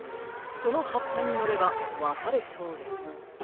そのはっぱにのればわたれそうです。